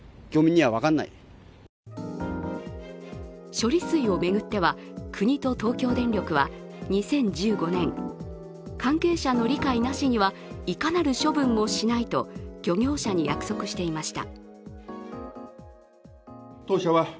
処理水を巡っては、国と東京電力は２０１５年、関係者の理解なしにはいかなる処分もしないと漁業者に約束していました。